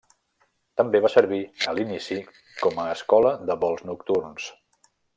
També va servir, a l’inici, com a escola de vols nocturns.